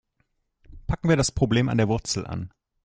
Packen wir das Problem an der Wurzel an.